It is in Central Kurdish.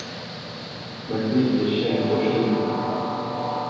مەجلیسی لە شیعری خۆشتر بوو